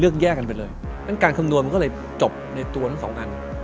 เลือกแยกกันไปเลยดังนั้นการคำนวณก็เลยจบในตัวนั้นสองอัน